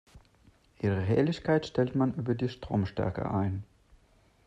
Ihre Helligkeit stellt man über die Stromstärke ein.